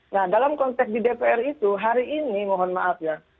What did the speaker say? nah dalam konteks di dpr itu hari ini mohon maaf ya